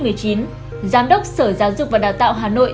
giám đốc sở giáo dục và đào tạo hà nội